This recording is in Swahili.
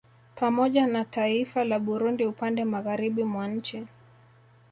Pamoja na taiifa la Burundi upande Magharibi mwa nchi